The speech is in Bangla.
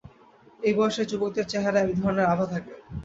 এই বয়সের যুবকদের চেহারায় এক ধরনের আভা থাকে।